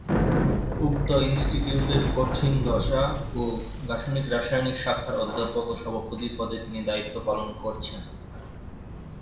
উক্ত ইনস্টিটিউটের কঠিন দশা ও গাঠনিক রসায়ন শাখার অধ্যাপক ও সভাপতি পদে তিনি দায়িত্ব পালন করছেন।